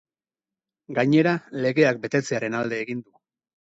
Gainera, legeak betetzearen alde egin du.